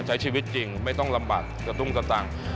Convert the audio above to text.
ใช้ชีวิตจริงไม่ต้องลำบากกระตุ้งกระตังค์